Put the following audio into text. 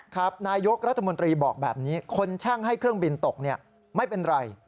ครับนายกรัฐมนตรีบอกแบบนี้คนแช่งให้เครื่องบินตกไม่เป็นไร